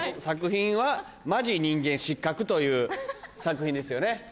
作品は「マジ人間失格」という作品ですよね？